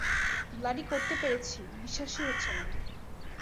Bloody করতে পেরেছি, বিশ্বাসই হচ্ছে না।